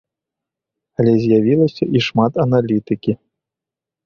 Але з'явілася і шмат аналітыкі.